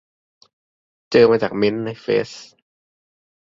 เจอมาจากเมนต์ในเฟซ